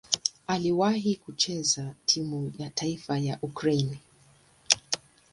Aliwahi kucheza timu ya taifa ya Ukraine.